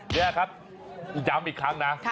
นี่ครับย้ำอีกครั้งนะ